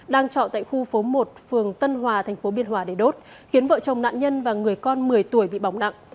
đang trọ tại khu phố một phường tân hòa tp biên hòa để đốt khiến vợ chồng nạn nhân và người con một mươi tuổi bị bỏng nặng